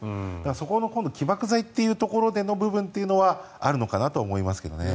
そこの起爆剤というところでの部分はあるのかなと思いますけどね。